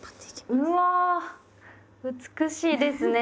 うわ美しいですね。